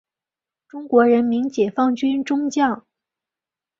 中国人民解放军中将。